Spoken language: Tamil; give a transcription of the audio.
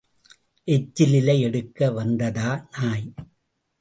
எச்சில் இலை எடுக்க வந்ததா நாய்?